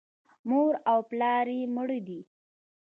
مور او پلار یې مړه دي .